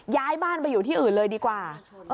ย้ายบ้านไปอยู่ที่อื่นเลยดีกว่า